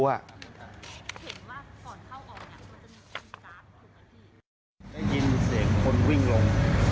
ได้ยินเสียงคนวิ่งลง